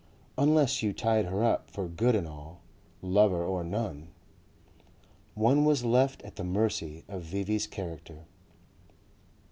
Unless you tied her up for good and all, lover or none.... One was left at the mercy of V.V.'s character....